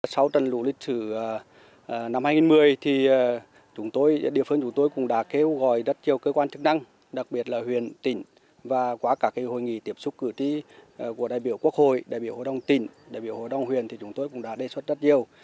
sau trận lũ lịch sử năm hai nghìn một mươi thì chúng tôi địa phương chúng tôi cũng đã kêu gọi rất nhiều cơ quan chức năng đặc biệt là huyện tỉnh và qua các hội nghị tiếp xúc cử tri của đại biểu quốc hội đại biểu hội đồng tỉnh đại biểu hội đồng huyện thì chúng tôi cũng đã đề xuất rất nhiều